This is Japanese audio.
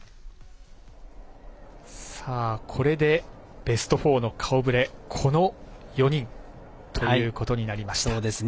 これでベスト４の顔ぶれこの４人ということになりました。